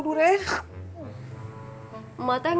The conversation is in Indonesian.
tidak kayak rumah parkinson